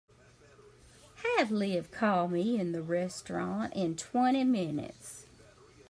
Have Liv call me in the restaurant in twenty minutes.